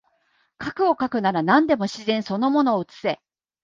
画をかくなら何でも自然その物を写せ